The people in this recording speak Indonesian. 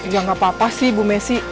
ya gak apa apa sih ibu messi